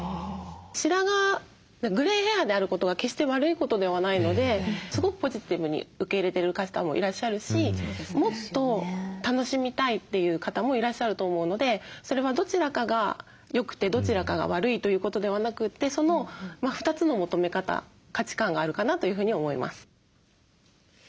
白髪グレイヘアであることは決して悪いことではないのですごくポジティブに受け入れてる方もいらっしゃるしもっと楽しみたいという方もいらっしゃると思うのでそれはどちらかが良くてどちらかが悪いということではなくてその２つの求め方価値観があるかなというふうに思います。